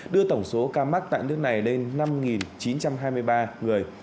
đưa tổng số ca mắc tại nước này lên năm chín trăm hai mươi ba người